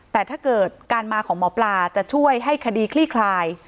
แต่ถ้าเกิดการมาของหมอปลาจะช่วยให้คดีคลี่คลาย